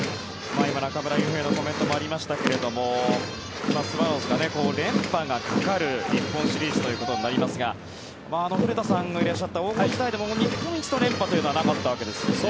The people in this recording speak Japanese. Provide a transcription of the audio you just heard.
今、中村悠平のコメントもありましたがスワローズが連覇がかかる日本シリーズということになりますが古田さんのいらっしゃった黄金時代でも日本一の連覇というのはなかったんですよね。